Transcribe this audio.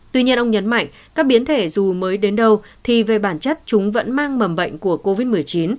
tuy nhiên ông nhấn mạnh các biến thể dù mới đến đâu thì về bản chất chúng vẫn mang mầm bệnh của covid một mươi chín